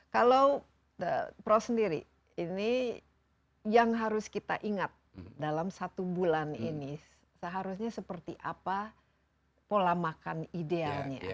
kalau prof sendiri ini yang harus kita ingat dalam satu bulan ini seharusnya seperti apa pola makan idealnya